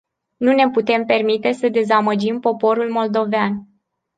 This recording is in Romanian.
Nu ne putem permite să dezamăgim poporul moldovean.